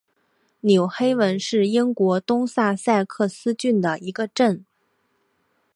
纽黑文是英国东萨塞克斯郡的一个镇。